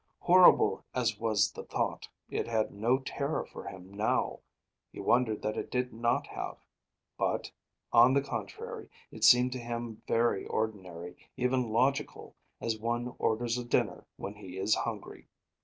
Horrible as was the thought, it had no terror for him, now. He wondered that it did not have; but, on the contrary, it seemed to him very ordinary, even logical as one orders a dinner when he is hungry.